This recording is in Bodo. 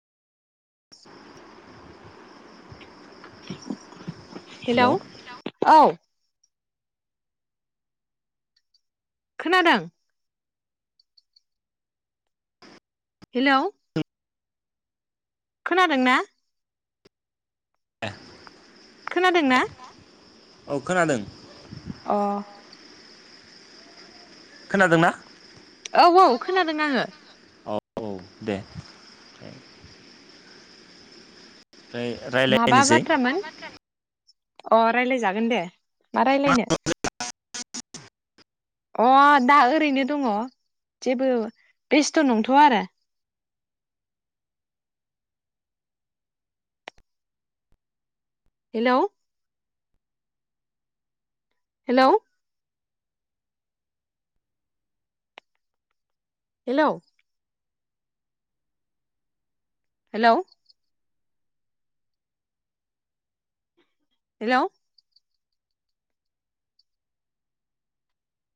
[inaudible] [inaudible] हेलौ औ खोनादों? हेलौ खोनादों ना? दे खोनादों ना? औ खोनादों। अ खोनादोंना? औ औ खोनादों आङो। औ दे ओमफ्राय माबा रायलायायनोसै। बाथ्रामोन अ रायज्लायजागोन दे मा रायज्लायनो। अ दा ओरैनो दङ जेबो बेस्थ नंथया आरो। Hello hello hello hello hello